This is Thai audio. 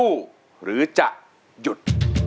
หรือจะหยุด